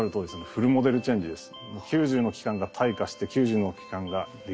フルモデルチェンジです。